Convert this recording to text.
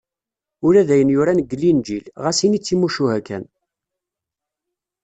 Ula d ayen yuran deg Linǧil, ɣas ini d timucuha kan.